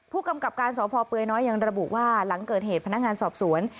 ผู้กำกับการสพเปลือยน้อยยังระบุว่าหลังเกิดเหตุพนักงานสอบสวน